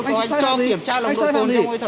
tôi yêu cầu anh cho kiểm tra nồng độ cồn cho tôi thở